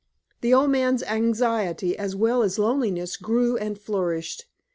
The old man's anxiety as well as loneliness grew and flourished.